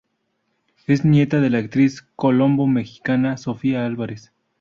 Es nieta de la actriz colombo-mexicana Sofía Álvarez.